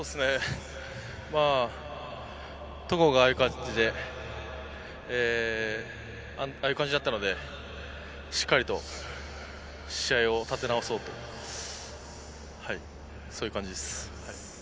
戸郷がああいう感じだったので、しっかりと試合を立て直そうと、そういう感じです。